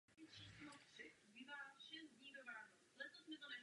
Prvním ředitelem byl Miroslav Zvěřina.